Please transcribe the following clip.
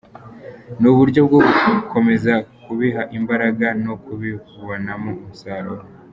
Ni uburyo bwo gukomeza kubiha imbaraga no kubibonamo umusaruro.